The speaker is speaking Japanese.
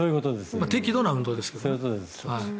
適度な運動ですね。